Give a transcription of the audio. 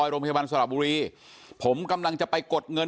โรงพยาบาลสระบุรีผมกำลังจะไปกดเงิน